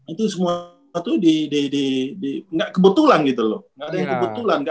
itu semua waktu di nggak kebetulan gitu loh nggak ada yang kebetulan